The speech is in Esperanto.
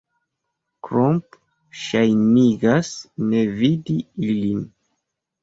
Klomp ŝajnigas ne vidi ilin.